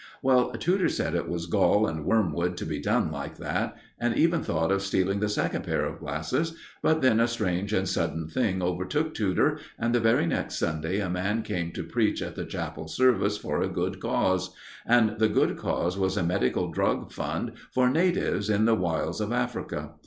Well, Tudor said it was gall and wormwood to be done like that, and even thought of stealing the second pair of glasses; but then a strange and sudden thing overtook Tudor, and the very next Sunday a man came to preach at the chapel service for a good cause; and the good cause was a Medical Drug Fund for natives in the wilds of Africa.